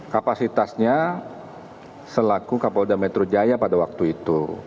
kapasitasnya selaku kapal dan metru jaya pada waktu itu